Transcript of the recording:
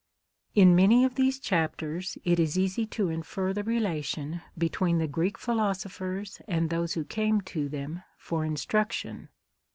In many of these chapters it is easy to infer the relation between the Greek philosophers and those who came to them for instruction.